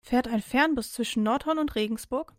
Fährt ein Fernbus zwischen Nordhorn und Regensburg?